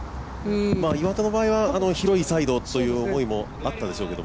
岩田の場合は広いサイドっていう思いもあったでしょうけど。